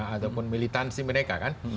ataupun militansi mereka kan